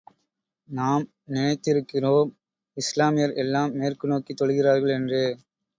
நாம் நினைத்திருக்கிறோம், இஸ்லாமியர் எல்லாம் மேற்கு நோக்கித் தொழுகிறார்கள் என்று.